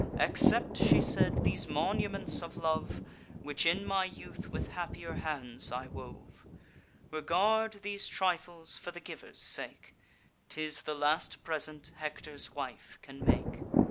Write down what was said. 'Accept,' she said, 'these monuments of love, Which in my youth with happier hands I wove: Regard these trifles for the giver's sake; 'Tis the last present Hector's wife can make.